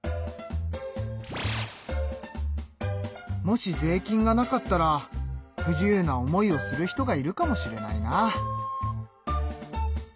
もし税金がなかったら不自由な思いをする人がいるかもしれないなあ。